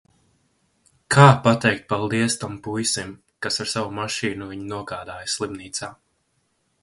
Kā pateikt paldies tam puisim, kas ar savu mašīnu viņu nogādāja slimnīcā...